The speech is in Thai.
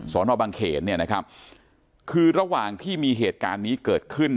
สอนอบังเขนเนี่ยนะครับคือระหว่างที่มีเหตุการณ์นี้เกิดขึ้น